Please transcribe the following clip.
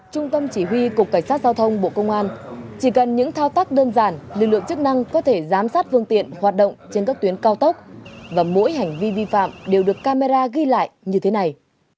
trung tâm chỉ huy cục cảnh sát giao thông bộ công an chỉ cần những thao tác đơn giản lực lượng chức năng có thể giám sát phương tiện hoạt động trên các tuyến cao tốc và mỗi hành vi vi phạm đều được camera ghi lại như thế này